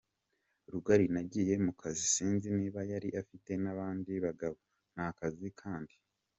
rugari nagiye mu kazi; sinzi niba yari afite n’abandi bagabo, nta kazi kandi.